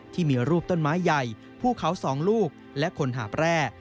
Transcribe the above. ที่มีรูปต้นไม้ใหญ่ภูเขา๒ลูกและคนหาบแร่